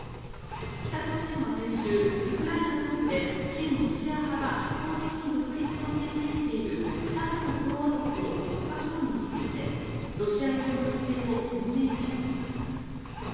北朝鮮は先週、ウクライナ東部で親ロシア派が一方的に独立を宣言している２つの共和国を国家承認していてロシア寄りの姿勢を鮮明にしています。